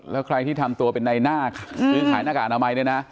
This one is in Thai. แล้วใครที่ทำตัวเป็นในหน้าซื้อขายหน้ากากอนามัยเนี่ยนะ